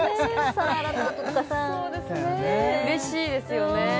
皿洗ったあととかさそうですねうれしいですよね